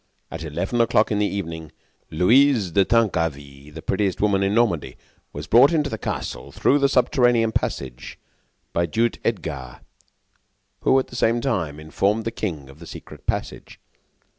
At eleven o'clock in the evening, Louise de Tancarville, the prettiest woman in Normandy, was brought into the castle through the subterranean passage by Duke Edgard, who, at the same time, informed the king of the secret passage.